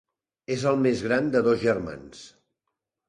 És el més gran de dos germans.